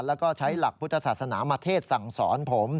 แล้วก็ใช้หลักพุทธศาสนามาเทศสั่งสอนผม